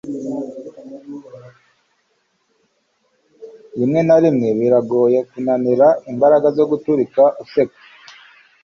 rimwe na rimwe biragoye kunanira imbaraga zo guturika useka